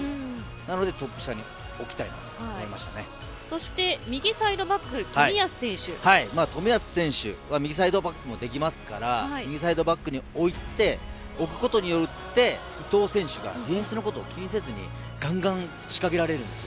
なのでトップ下に置きたいとそして右サイドバック冨安選手は右サイドバックもできますから右サイドバックに置いておくことによって伊東選手が、ディフェンスのことを気にせずにがんがん仕掛けられるんです。